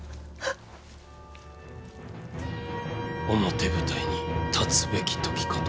表舞台に立つべき時かと。